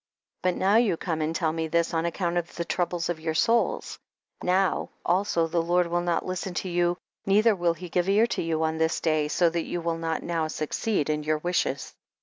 But now you come and tell me this on account of the troubles of your souls, now also the Lord will not listen to you, neither will he give ear to you on this day, so that you will not now succeed in your wishes.